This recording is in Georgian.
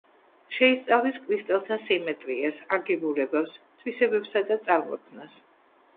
შეისწავლის კრისტალთა სიმეტრიას, აგებულებას, თვისებებსა და წარმოქმნას.